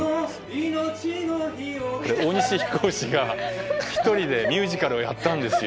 大西飛行士が１人でミュージカルをやったんですよ。